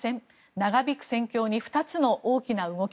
長引く戦況に２つの大きな動き。